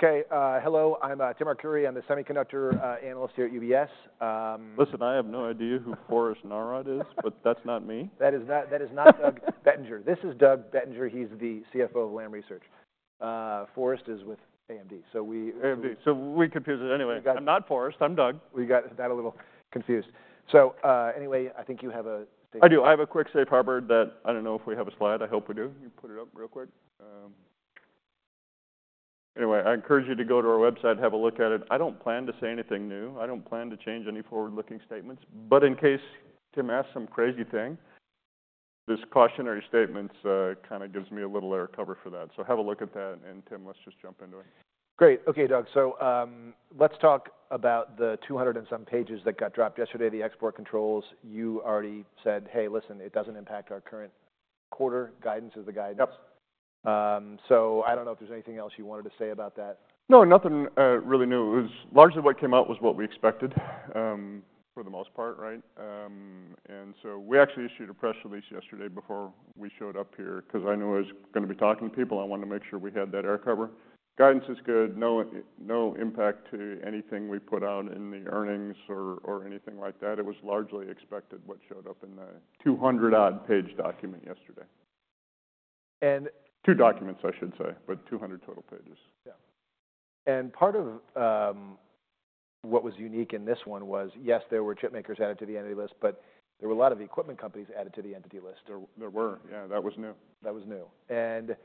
Okay, hello. I'm Tim Arcuri. I'm the semiconductor analyst here at UBS. Listen, I have no idea who Forrest Norrod is, but that's not me. That is not Doug Bettinger. This is Doug Bettinger. He's the CFO of Lam Research. Forrest is with AMD, so we. AMD, so we confuse it. Anyway. You got it. I'm not Forrest. I'm Doug. We got that a little confused. So, anyway, I think you have a statement. I do. I have a quick safe harbor that I don't know if we have a slide. I hope we do. You put it up real quick. Anyway, I encourage you to go to our website, have a look at it. I don't plan to say anything new. I don't plan to change any forward-looking statements. But in case Tim asks some crazy thing, this cautionary statements kinda gives me a little air cover for that. So have a look at that, and Tim, let's just jump into it. Great. Okay, Doug. So, let's talk about the 200-and-some pages that got dropped yesterday, the export controls. You already said, "Hey, listen, it doesn't impact our current quarter. Guidance is the guidance. Yep. So I don't know if there's anything else you wanted to say about that. No, nothing, really new. It was largely what came out was what we expected, for the most part, right? And so we actually issued a press release yesterday before we showed up here 'cause I knew I was gonna be talking to people. I wanted to make sure we had that air cover. Guidance is good. No, no impact to anything we put out in the earnings or, or anything like that. It was largely expected what showed up in the 200-odd page document yesterday. And. Two documents, I should say, but 200 total pages. Yeah. And part of what was unique in this one was, yes, there were chip makers added to the Entity List, but there were a lot of equipment companies added to the Entity List. There were. Yeah, that was new. That was new. And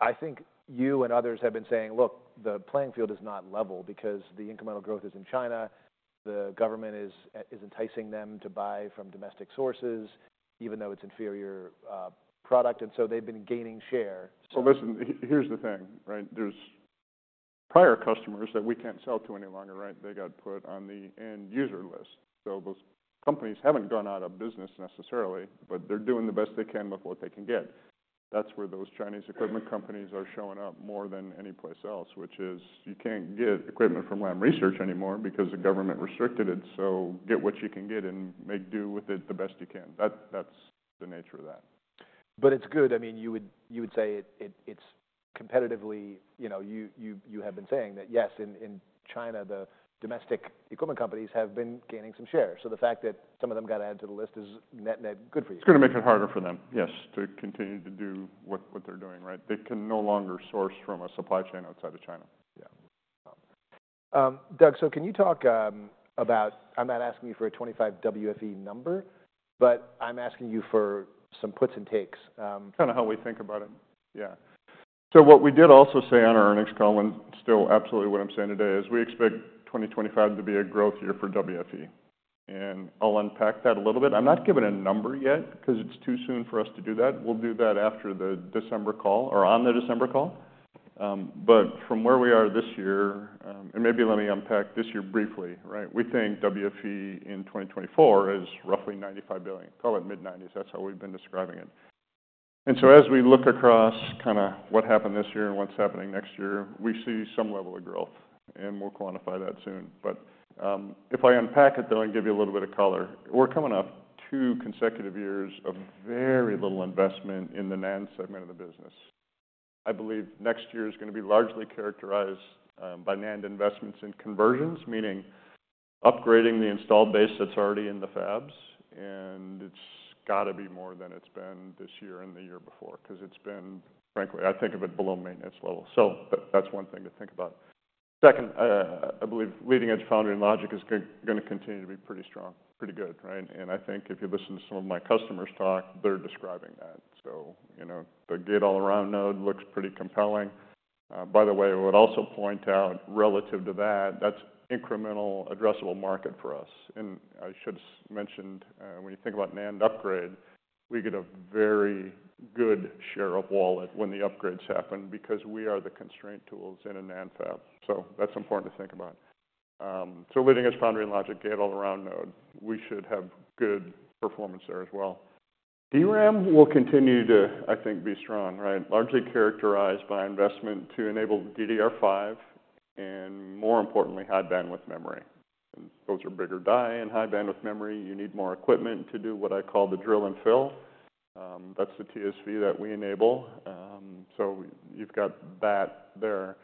I think you and others have been saying, "Look, the playing field is not level because the incremental growth is in China. The government is enticing them to buy from domestic sources even though it's inferior product." And so they've been gaining share. So. Well, listen, here's the thing, right? There's prior customers that we can't sell to any longer, right? They got put on the Entity List. So those companies haven't gone out of business necessarily, but they're doing the best they can with what they can get. That's where those Chinese equipment companies are showing up more than any place else, which is you can't get equipment from Lam Research anymore because the government restricted it. So get what you can get and make do with it the best you can. That, that's the nature of that. But it's good. I mean, you would say it, it's competitively, you know, you have been saying that, yes, in China, the domestic equipment companies have been gaining some share. So the fact that some of them got added to the list is net-net good for you. It's gonna make it harder for them, yes, to continue to do what they're doing, right? They can no longer source from a supply chain outside of China. Yeah. Doug, so can you talk about: I'm not asking you for a 2025 WFE number, but I'm asking you for some puts and takes. Kinda how we think about it. Yeah. So what we did also say on our earnings call, and still absolutely what I'm saying today, is we expect 2025 to be a growth year for WFE. And I'll unpack that a little bit. I'm not giving a number yet 'cause it's too soon for us to do that. We'll do that after the December call or on the December call, but from where we are this year, and maybe let me unpack this year briefly, right? We think WFE in 2024 is roughly $95 billion. Call it mid-90s. That's how we've been describing it. And so as we look across kinda what happened this year and what's happening next year, we see some level of growth, and we'll quantify that soon, but if I unpack it, then I'll give you a little bit of color. We're coming up two consecutive years of very little investment in the NAND segment of the business. I believe next year is gonna be largely characterized by NAND investments and conversions, meaning upgrading the installed base that's already in the fabs. And it's gotta be more than it's been this year and the year before 'cause it's been, frankly, I think of it below maintenance level. So that's one thing to think about. Second, I believe leading edge foundry logic is gonna continue to be pretty strong, pretty good, right, and I think if you listen to some of my customers talk, they're describing that. So, you know, the gate-all-around node looks pretty compelling. By the way, I would also point out relative to that, that's incremental addressable market for us. I should mention, when you think about NAND upgrade, we get a very good share of wallet when the upgrades happen because we are the constraint tools in a NAND fab. That's important to think about. Leading edge foundry logic, gate-all-around node, we should have good performance there as well. DRAM will continue to, I think, be strong, right? Largely characterized by investment to enable DDR5 and, more importantly, high bandwidth memory. Those are bigger die and high bandwidth memory. You need more equipment to do what I call the drill and fill. That's the TSV that we enable. You've got that there.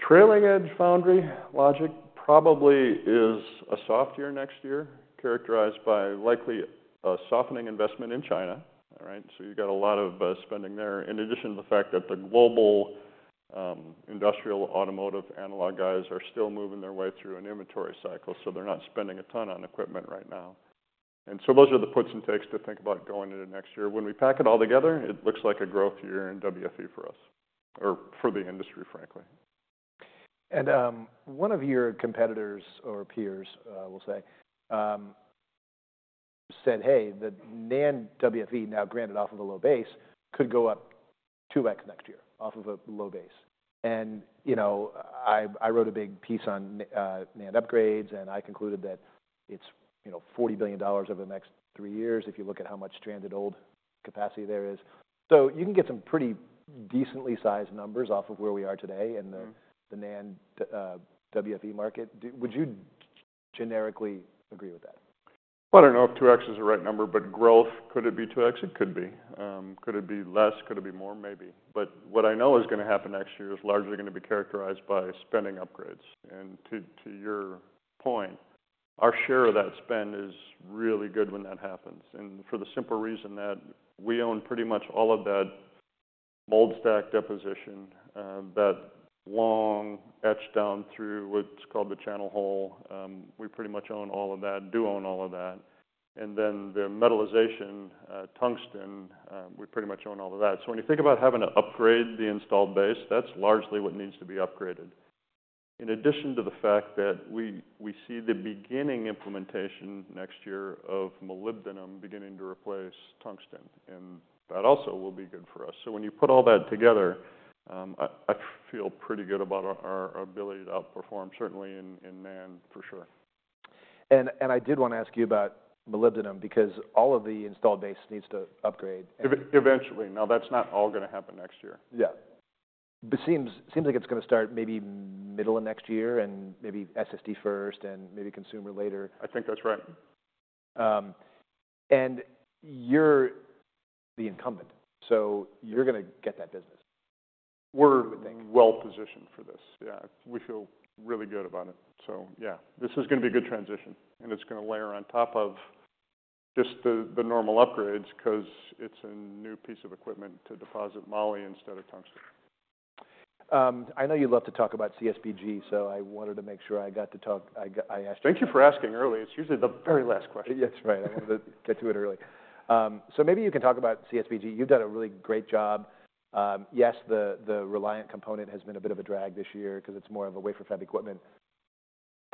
Trailing edge foundry logic probably is a soft year next year characterized by likely a softening investment in China, all right? So you got a lot of spending there in addition to the fact that the global industrial automotive analog guys are still moving their way through an inventory cycle, so they're not spending a ton on equipment right now. And so those are the puts and takes to think about going into next year. When we pack it all together, it looks like a growth year in WFE for us or for the industry, frankly. One of your competitors or peers, we'll say, said, "Hey, the NAND WFE now granted off of a low base could go up 2x next year off of a low base." You know, I, I wrote a big piece on NAND upgrades, and I concluded that it's, you know, $40 billion over the next three years if you look at how much stranded old capacity there is. So you can get some pretty decently sized numbers off of where we are today in the. Mm-hmm. The NAND WFE market. Do you generally agree with that? I don't know if 2x is the right number, but growth, could it be 2x? It could be. Could it be less? Could it be more? Maybe. But what I know is gonna happen next year is largely gonna be characterized by spending upgrades. And to, to your point, our share of that spend is really good when that happens. And for the simple reason that we own pretty much all of that mold stack deposition, that long etch down through what's called the channel hole. We pretty much own all of that, do own all of that. And then the metallization, tungsten, we pretty much own all of that. So when you think about having to upgrade the installed base, that's largely what needs to be upgraded. In addition to the fact that we see the beginning implementation next year of molybdenum beginning to replace tungsten, and that also will be good for us. So when you put all that together, I feel pretty good about our ability to outperform, certainly in NAND for sure. I did wanna ask you about molybdenum because all of the installed base needs to upgrade. Eventually. Now, that's not all gonna happen next year. Yeah. But it seems like it's gonna start maybe middle of next year and maybe SSD first and maybe consumer later. I think that's right. And you're the incumbent, so you're gonna get that business. We're. We're well positioned for this. Yeah. We feel really good about it. So yeah, this is gonna be a good transition, and it's gonna layer on top of just the normal upgrades 'cause it's a new piece of equipment to deposit moly instead of tungsten. I know you love to talk about CSBG, so I wanted to make sure I got to talk. I asked you. Thank you for asking early. It's usually the very last question. Yes, right. I wanted to get to it early. So maybe you can talk about CSBG. You've done a really great job. Yes, the Reliant component has been a bit of a drag this year 'cause it's more of a wafer fab equipment.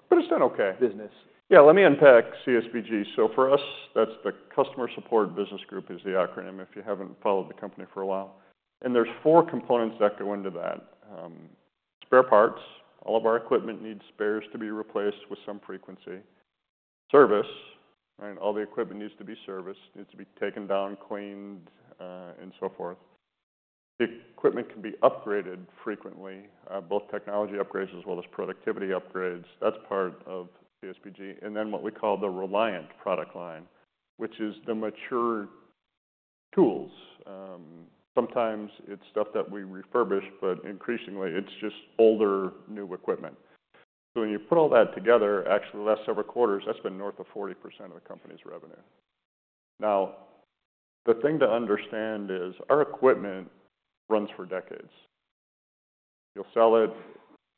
But it's done okay. Business. Yeah. Let me unpack CSBG. So for us, that's the customer support business group is the acronym if you haven't followed the company for a while. And there's four components that go into that: spare parts. All of our equipment needs spares to be replaced with some frequency. Service, right? All the equipment needs to be serviced, needs to be taken down, cleaned, and so forth. Equipment can be upgraded frequently, both technology upgrades as well as productivity upgrades. That's part of CSBG. And then what we call the Reliant product line, which is the mature tools. Sometimes it's stuff that we refurbish, but increasingly it's just older new equipment. So when you put all that together, actually the last several quarters, that's been north of 40% of the company's revenue. Now, the thing to understand is our equipment runs for decades. You'll sell it,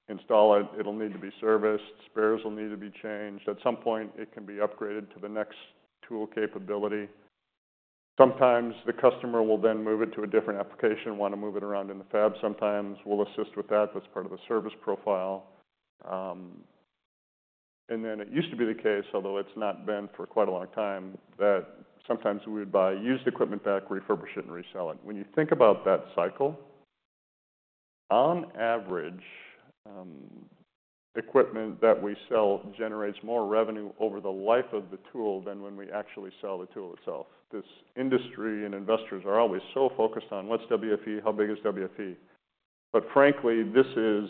install it. It'll need to be serviced. Spares will need to be changed. At some point, it can be upgraded to the next tool capability. Sometimes the customer will then move it to a different application, wanna move it around in the fab. Sometimes we'll assist with that. That's part of the service profile. And then it used to be the case, although it's not been for quite a long time, that sometimes we would buy used equipment back, refurbish it, and resell it. When you think about that cycle, on average, equipment that we sell generates more revenue over the life of the tool than when we actually sell the tool itself. This industry and investors are always so focused on what's WFE, how big is WFE. But frankly, this is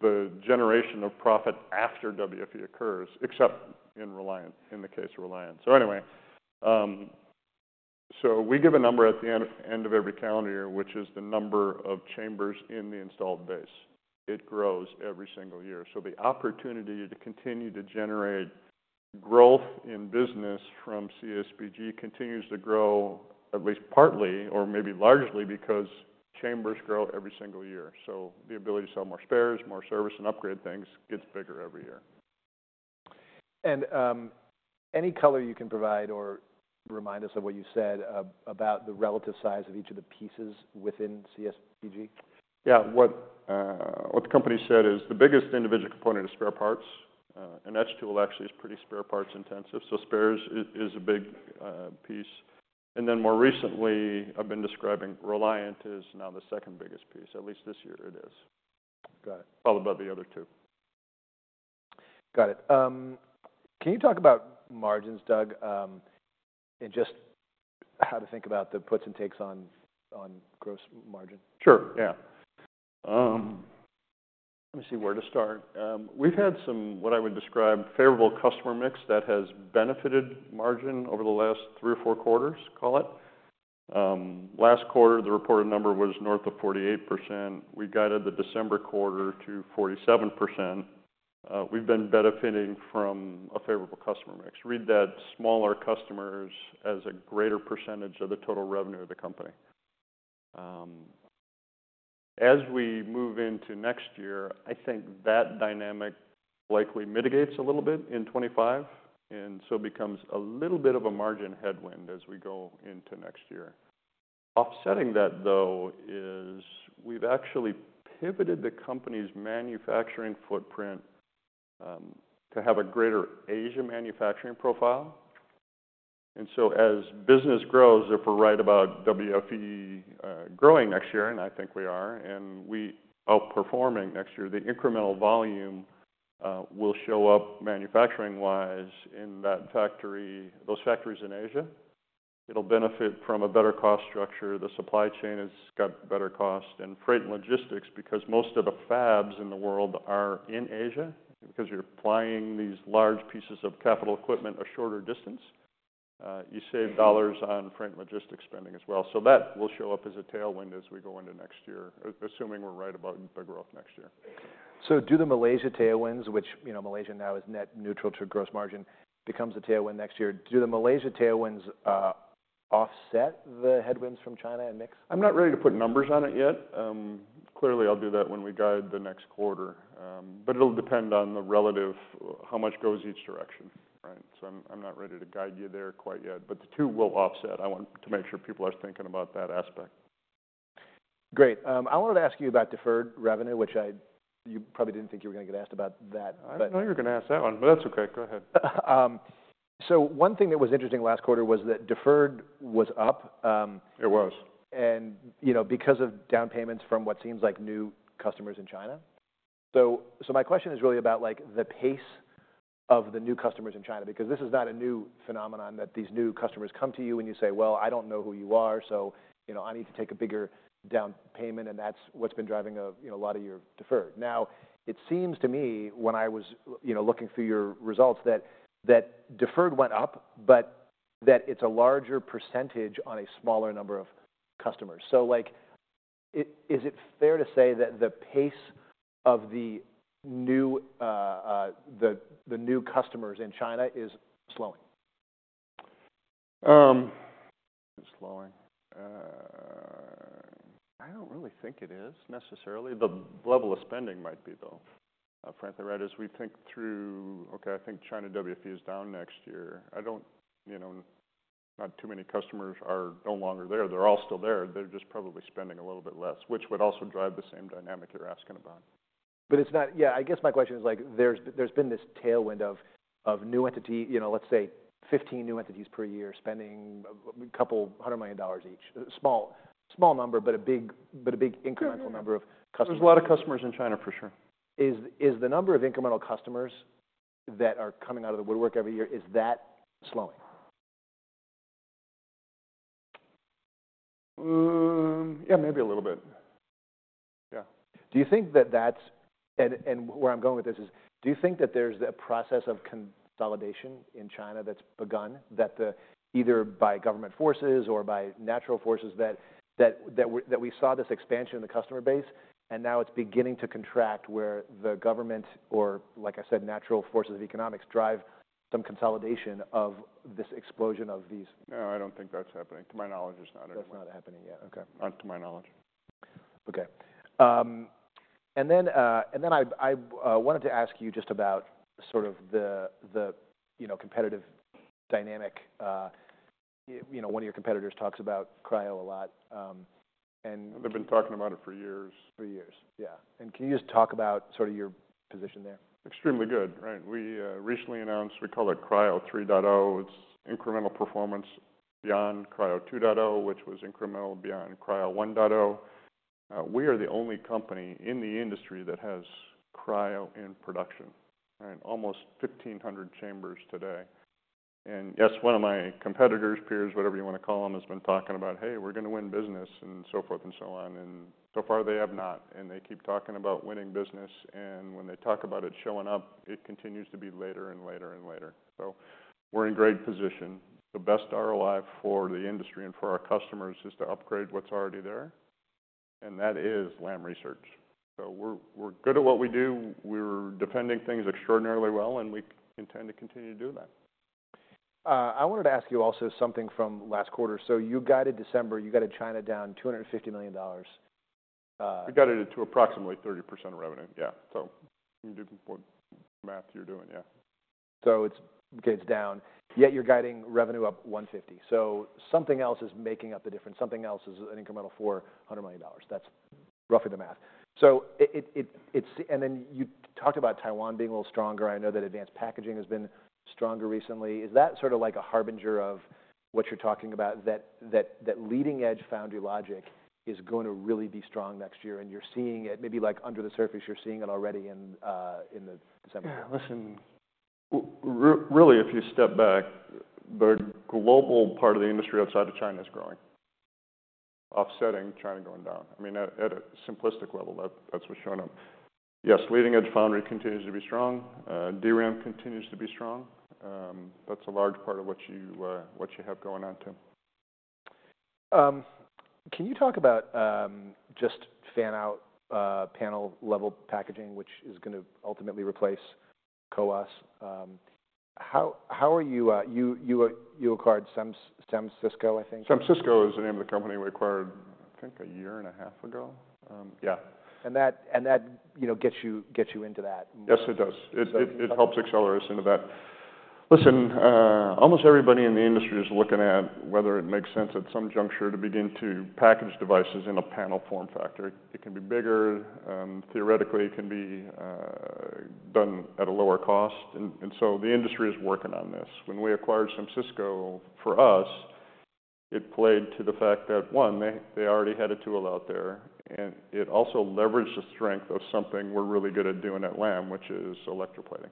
the generation of profit after WFE occurs, except in Reliant, in the case of Reliant. So anyway, so we give a number at the end of every calendar year, which is the number of chambers in the installed base. It grows every single year. So the opportunity to continue to generate growth in business from CSBG continues to grow at least partly or maybe largely because chambers grow every single year. So the ability to sell more spares, more service, and upgrade things gets bigger every year. Any color you can provide or remind us of what you said, about the relative size of each of the pieces within CSBG? Yeah. What the company said is the biggest individual component is spare parts. An etch tool actually is pretty spare parts intensive. So spares is a big piece. And then more recently, I've been describing Reliant is now the second biggest piece. At least this year it is. Got it. Followed by the other two. Got it. Can you talk about margins, Doug, and just how to think about the puts and takes on gross margin? Sure. Yeah. Let me see where to start. We've had some what I would describe favorable customer mix that has benefited margin over the last three or four quarters, call it. Last quarter, the reported number was north of 48%. We guided the December quarter to 47%. We've been benefiting from a favorable customer mix. Read that smaller customers as a greater percentage of the total revenue of the company. As we move into next year, I think that dynamic likely mitigates a little bit in 2025, and so becomes a little bit of a margin headwind as we go into next year. Offsetting that, though, is we've actually pivoted the company's manufacturing footprint to have a greater Asia manufacturing profile. And so, as business grows, if we're right about WFE growing next year, and I think we are, and we outperforming next year, the incremental volume will show up manufacturing-wise in that factory, those factories in Asia. It will benefit from a better cost structure. The supply chain has got better cost and freight and logistics because most of the fabs in the world are in Asia. Because you are flying these large pieces of capital equipment a shorter distance, you save dollars on freight and logistics spending as well. So that will show up as a tailwind as we go into next year, assuming we are right about the growth next year. So do the Malaysia tailwinds, which, you know, Malaysia now is net neutral to gross margin, becomes a tailwind next year. Do the Malaysia tailwinds offset the headwinds from China and mix? I'm not ready to put numbers on it yet. Clearly, I'll do that when we guide the next quarter. But it'll depend on the relative, how much goes each direction, right? So I'm, I'm not ready to guide you there quite yet. But the two will offset. I want to make sure people are thinking about that aspect. Great. I wanted to ask you about deferred revenue, which you probably didn't think you were gonna get asked about that, but. I know you're gonna ask that one, but that's okay. Go ahead. So one thing that was interesting last quarter was that deferred was up. It was. You know, because of down payments from what seems like new customers in China. So, my question is really about, like, the pace of the new customers in China because this is not a new phenomenon that these new customers come to you and you say, "Well, I don't know who you are, so, you know, I need to take a bigger down payment," and that's what's been driving, you know, a lot of your deferred. Now, it seems to me when I was, you know, looking through your results that deferred went up, but that it's a larger percentage on a smaller number of customers. So, like, is it fair to say that the pace of the new, the new customers in China is slowing? Slowing. I don't really think it is necessarily. The level of spending might be, though. Frankly, right as we think through, okay, I think China WFE is down next year. I don't, you know, not too many customers are no longer there. They're all still there. They're just probably spending a little bit less, which would also drive the same dynamic you're asking about. But it's not, yeah. I guess my question is, like, there's been this tailwind of new entity, you know, let's say 15 new entities per year spending a couple hundred million dollars each. Small number, but a big incremental number of customers. Yeah. There's a lot of customers in China, for sure. Is the number of incremental customers that are coming out of the woodwork every year, is that slowing? Yeah, maybe a little bit. Yeah. Do you think that that's, and where I'm going with this is, do you think that there's a process of consolidation in China that's begun, either by government forces or by natural forces, that we saw this expansion in the customer base and now it's beginning to contract where the government or, like I said, natural forces of economics drive some consolidation of this explosion of these? No, I don't think that's happening. To my knowledge, it's not happening. That's not happening yet. Okay. Not to my knowledge. Okay, and then I wanted to ask you just about sort of the competitive dynamic, you know. You know, one of your competitors talks about Cryo a lot. And. They've been talking about it for years. For years. Yeah. And can you just talk about sort of your position there? Extremely good, right? We recently announced we call it Cryo 3.0. It's incremental performance beyond Cryo 2.0, which was incremental beyond Cryo 1.0. We are the only company in the industry that has Cryo in production, right? Almost 1,500 chambers today. And yes, one of my competitors, peers, whatever you wanna call them, has been talking about, "Hey, we're gonna win business," and so forth and so on. And so far, they have not. And they keep talking about winning business. And when they talk about it showing up, it continues to be later and later and later. So we're in great position. The best ROI for the industry and for our customers is to upgrade what's already there. And that is Lam Research. So we're good at what we do. We're defending things extraordinarily well, and we intend to continue to do that. I wanted to ask you also something from last quarter. So you guided December. You guided China down $250 million. We guided it to approximately 30% revenue. Yeah. So you do the math you're doing. Yeah. So it's okay. It's down. Yet you're guiding revenue up $150. So something else is making up the difference. Something else is an incremental for $100 million. That's roughly the math. So it's and then you talked about Taiwan being a little stronger. I know that advanced packaging has been stronger recently. Is that sort of like a harbinger of what you're talking about, that leading-edge foundry logic is gonna really be strong next year? And you're seeing it maybe like under the surface, you're seeing it already in the December. Yeah. Listen, really if you step back, the global part of the industry outside of China is growing, offsetting China going down. I mean, at a simplistic level, that's what's showing up. Yes. Leading-edge foundry continues to be strong. DRAM continues to be strong. That's a large part of what you, what you have going on, Tim. Can you talk about just fan-out panel-level packaging, which is gonna ultimately replace CoWoS? How are you acquired SEMSYSCO, I think. SEMSYSCO is the name of the company we acquired, I think, a year and a half ago. Yeah. That, you know, gets you into that more. Yes, it does. It helps accelerate us into that. Listen, almost everybody in the industry is looking at whether it makes sense at some juncture to begin to package devices in a panel form factor. It can be bigger. Theoretically, it can be done at a lower cost. And so the industry is working on this. When we acquired SEMSYSCO for us, it played to the fact that, one, they already had a tool out there, and it also leveraged the strength of something we're really good at doing at Lam, which is electroplating.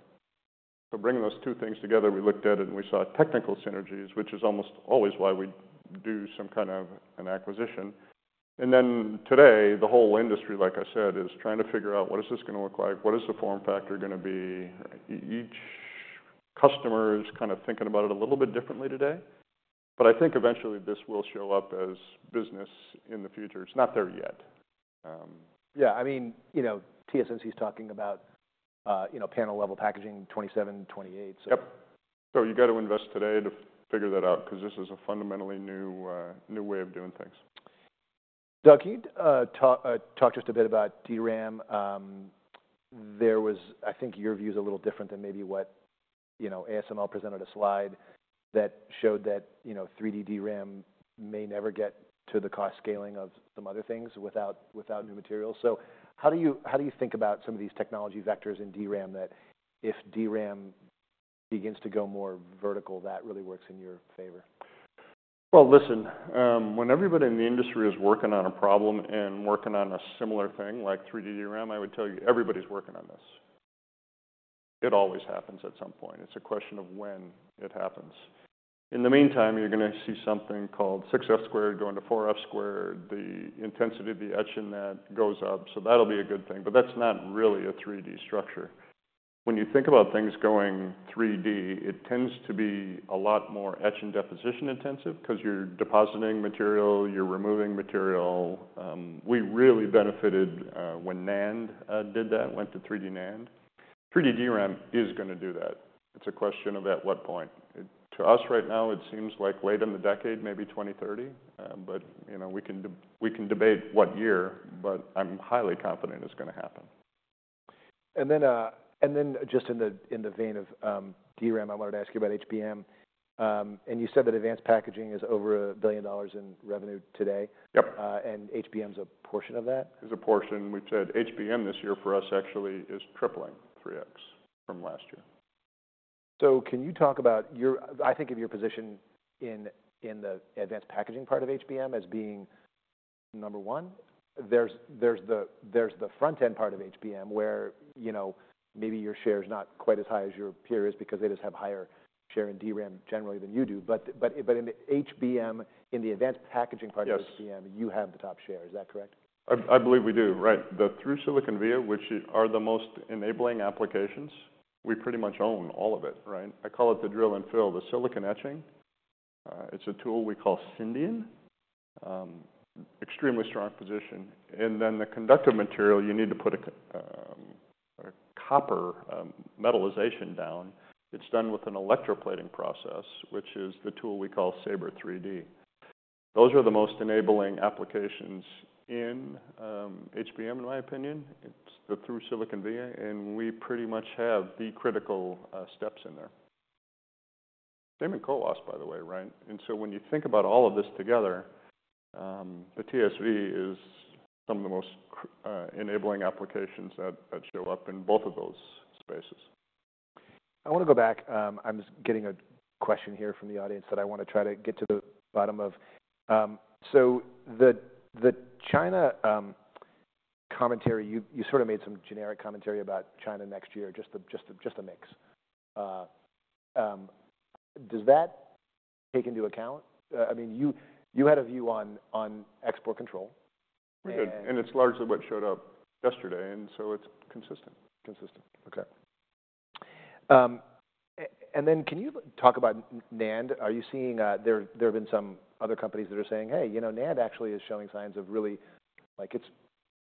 So bringing those two things together, we looked at it and we saw technical synergies, which is almost always why we do some kind of an acquisition. And then today, the whole industry, like I said, is trying to figure out what is this gonna look like? What is the form factor gonna be? Each customer is kinda thinking about it a little bit differently today. But I think eventually this will show up as business in the future. It's not there yet. Yeah. I mean, you know, TSMC's talking about, you know, panel-level packaging 2027, 2028, so. Yep, so you gotta invest today to figure that out 'cause this is a fundamentally new, new way of doing things. Doug, can you to talk just a bit about DRAM? There was, I think, your view's a little different than maybe what, you know, ASML presented a slide that showed that, you know, 3D DRAM may never get to the cost scaling of some other things without new materials. So how do you think about some of these technology vectors in DRAM that if DRAM begins to go more vertical, that really works in your favor? Well, listen, when everybody in the industry is working on a problem and working on a similar thing like 3D DRAM, I would tell you everybody's working on this. It always happens at some point. It's a question of when it happens. In the meantime, you're gonna see something called 6F squared going to 4F squared. The intensity of the etch in that goes up. So that'll be a good thing. But that's not really a 3D structure. When you think about things going 3D, it tends to be a lot more etch and deposition intensive 'cause you're depositing material, you're removing material. We really benefited when NAND did that, went to 3D NAND. 3D DRAM is gonna do that. It's a question of at what point. To us right now, it seems like late in the decade, maybe 2030. But, you know, we can debate what year, but I'm highly confident it's gonna happen. In the vein of DRAM, I wanted to ask you about HBM. You said that advanced packaging is over $1 billion in revenue today. Yep. and HBM's a portion of that? It's a portion. We've said HBM this year for us actually is tripling 3X from last year. Can you talk about your, I think of your position in, in the advanced packaging part of HBM as being number one? There's the front-end part of HBM where, you know, maybe your share's not quite as high as your peer is because they just have higher share in DRAM generally than you do. But in the HBM, in the advanced packaging part of HBM. Yes. You have the top share. Is that correct? I believe we do. Right. The through-silicon via, which are the most enabling applications, we pretty much own all of it, right? I call it the drill and fill, the silicon etching. It's a tool we call Syndion. Extremely strong position. And then the conductive material, you need to put a copper metallization down. It's done with an electroplating process, which is the tool we call Sabre 3D. Those are the most enabling applications in HBM, in my opinion. It's the through-silicon via, and we pretty much have the critical steps in there. Same in CoWoS, by the way, right? And so when you think about all of this together, the TSV is some of the most enabling applications that show up in both of those spaces. I wanna go back. I'm just getting a question here from the audience that I wanna try to get to the bottom of. So the China commentary, you sort of made some generic commentary about China next year, just a mix. Does that take into account, I mean, you had a view on export control? We did, and it's largely what showed up yesterday, and so it's consistent. Consistent. Okay. And then can you talk about NAND? Are you seeing, there have been some other companies that are saying, "Hey, you know, NAND actually is showing signs of really, like, it's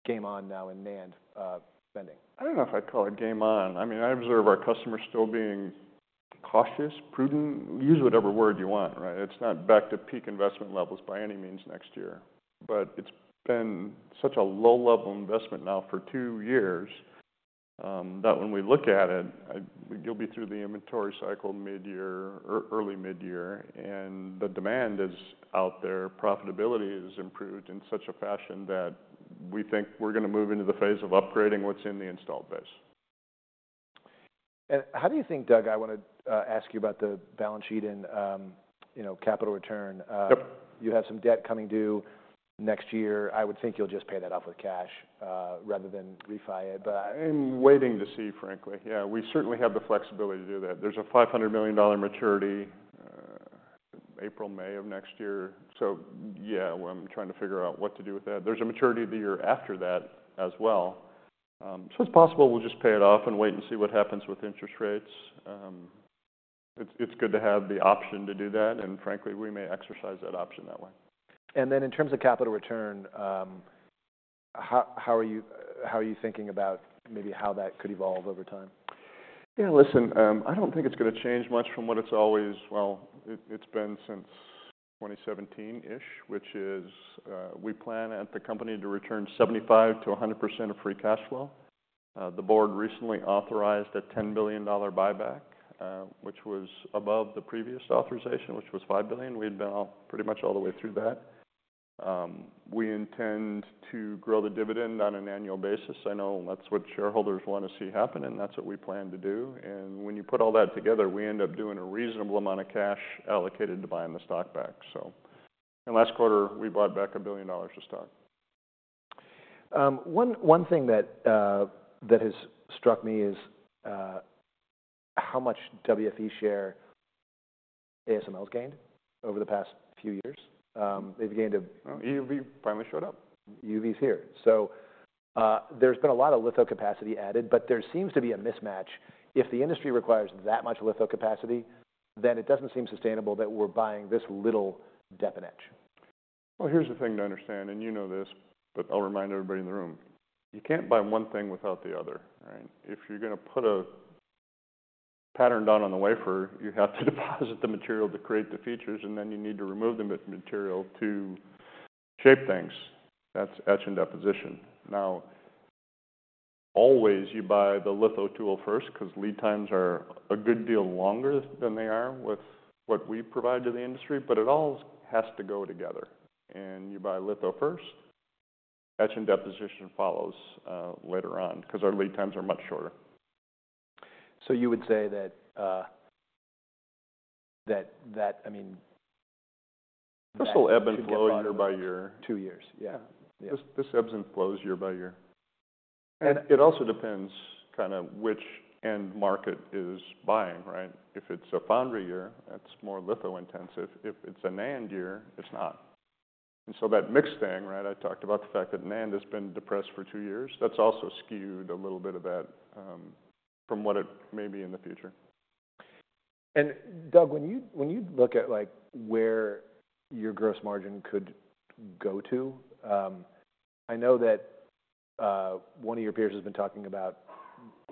game on now in NAND, spending"? I don't know if I'd call it game on. I mean, I observe our customers still being cautious, prudent. Use whatever word you want, right? It's not back to peak investment levels by any means next year. But it's been such a low-level investment now for two years, that when we look at it, we'll be through the inventory cycle mid-year or early mid-year, and the demand is out there. Profitability has improved in such a fashion that we think we're gonna move into the phase of upgrading what's in the installed base. How do you think, Doug? I wanna ask you about the balance sheet and, you know, capital return? Yep. You have some debt coming due next year. I would think you'll just pay that off with cash, rather than refi it. But I. I'm waiting to see, frankly. Yeah. We certainly have the flexibility to do that. There's a $500 million maturity, April, May of next year. So yeah, I'm trying to figure out what to do with that. There's a maturity of the year after that as well. So it's possible we'll just pay it off and wait and see what happens with interest rates. It's good to have the option to do that. And frankly, we may exercise that option that way. And then in terms of capital return, how are you thinking about maybe how that could evolve over time? Yeah. Listen, I don't think it's gonna change much from what it's always, well, it's been since 2017-ish, which is, we plan at the company to return 75% to 100% of free cash flow. The board recently authorized a $10 billion buyback, which was above the previous authorization, which was $5 billion. We'd been pretty much all the way through that. We intend to grow the dividend on an annual basis. I know that's what shareholders wanna see happen, and that's what we plan to do. And when you put all that together, we end up doing a reasonable amount of cash allocated to buying the stock back. So in last quarter, we bought back $1 billion of stock. One thing that has struck me is how much WFE share ASML's gained over the past few years. They've gained a. EUV finally showed up. EUV's here, so there's been a lot of litho capacity added, but there seems to be a mismatch. If the industry requires that much litho capacity, then it doesn't seem sustainable that we're buying this little depth in etch. Well, here's the thing to understand, and you know this, but I'll remind everybody in the room. You can't buy one thing without the other, right? If you're gonna put a pattern down on the wafer, you have to deposit the material to create the features, and then you need to remove the material to shape things. That's etch and deposition. Now, always you buy the lithotool first 'cause lead times are a good deal longer than they are with what we provide to the industry. But it all has to go together. And you buy litho first, etch and deposition follows, later on 'cause our lead times are much shorter. So you would say that, I mean. This will ebb and flow year by year. Two years. Yeah. Yeah. This ebbs and flows year by year, and it also depends kinda which end market is buying, right? If it's a foundry year, that's more litho-intensive. If it's a NAND year, it's not, and so that mixed thing, right, I talked about the fact that NAND has been depressed for two years. That's also skewed a little bit of that, from what it may be in the future. Doug, when you look at, like, where your gross margin could go to, I know that one of your peers has been talking about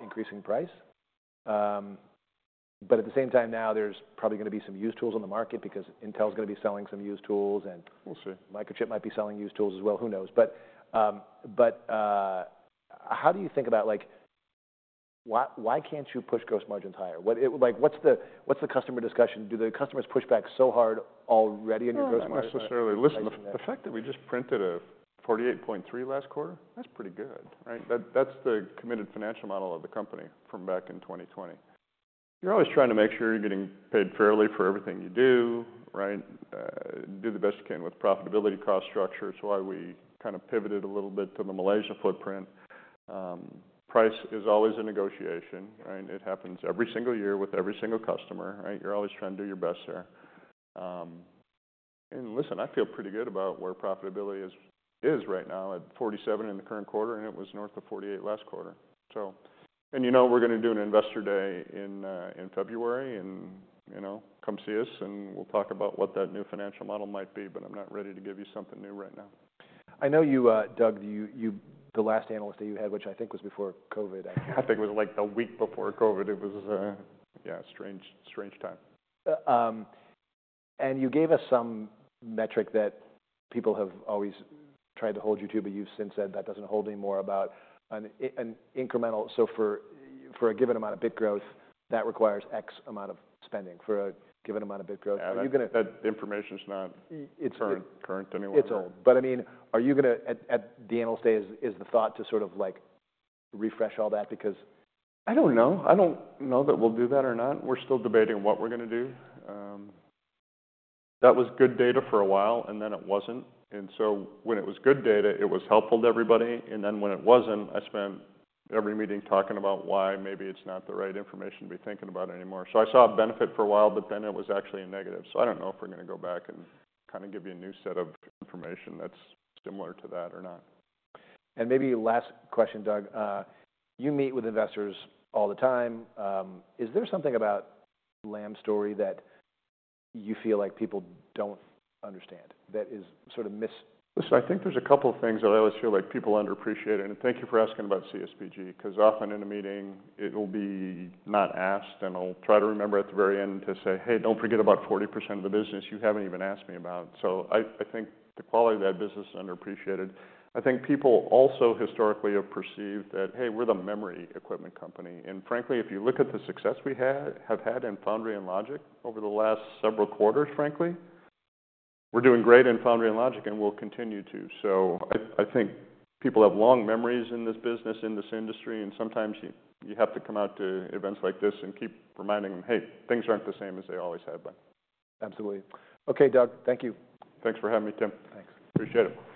increasing price. But at the same time now, there's probably gonna be some used tools on the market because Intel's gonna be selling some used tools, and. We'll see. Microchip might be selling used tools as well. Who knows? But, how do you think about, like, why can't you push gross margins higher? What is it like, what's the customer discussion? Do the customers push back so hard already on your gross margin? Not necessarily. Listen, the fact that we just printed a 48.3% last quarter, that's pretty good, right? That's the committed financial model of the company from back in 2020. You're always trying to make sure you're getting paid fairly for everything you do, right? Do the best you can with profitability cost structure. It's why we kinda pivoted a little bit to the Malaysia footprint. Price is always a negotiation, right? It happens every single year with every single customer, right? You're always trying to do your best there, and listen, I feel pretty good about where profitability is right now at 47% in the current quarter, and it was north of 48% last quarter. So, and you know we're gonna do an investor day in February, and, you know, come see us, and we'll talk about what that new financial model might be. But I'm not ready to give you something new right now. I know you, Doug. You the last analyst that you had, which I think was before COVID. I think it was like a week before COVID. It was, yeah, a strange, strange time. And you gave us some metric that people have always tried to hold you to, but you've since said that doesn't hold anymore about an incremental. So for a given amount of big growth, that requires X amount of spending. For a given amount of big growth. Yeah. Are you gonna? That information's not current. It's, it's. Current anymore. It's old. But I mean, are you gonna at the analyst day is the thought to sort of, like, refresh all that because? I don't know. I don't know that we'll do that or not. We're still debating what we're gonna do. That was good data for a while, and then it wasn't. And so when it was good data, it was helpful to everybody. And then when it wasn't, I spent every meeting talking about why maybe it's not the right information to be thinking about anymore. So I saw a benefit for a while, but then it was actually a negative. So I don't know if we're gonna go back and kinda give you a new set of information that's similar to that or not. And maybe last question, Doug. You meet with investors all the time. Is there something about Lam's story that you feel like people don't understand that is sort of miss. Listen, I think there's a couple of things that I always feel like people underappreciate. And thank you for asking about CSBG 'cause often in a meeting, it'll be not asked, and I'll try to remember at the very end to say, "Hey, don't forget about 40% of the business you haven't even asked me about." So I think the quality of that business is underappreciated. I think people also historically have perceived that, "Hey, we're the memory equipment company." And frankly, if you look at the success we have had in Foundry and Logic over the last several quarters, frankly, we're doing great in Foundry and Logic, and we'll continue to. So I think people have long memories in this business, in this industry, and sometimes you have to come out to events like this and keep reminding them, "Hey, things aren't the same as they always have been. Absolutely. Okay, Doug. Thank you. Thanks for having me, Tim. Thanks. Appreciate it.